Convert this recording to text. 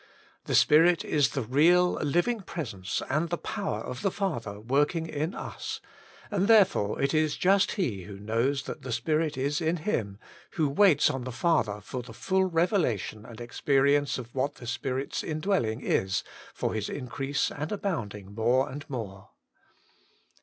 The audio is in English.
The Spirit is the real living presence and the power of the Father working in us, and therefore it is just he who knows that the Spirit is in him, who waits on the Father for the full revelation and experi ence of what the Spirit's indwelling is, for His increase and abounding more and more.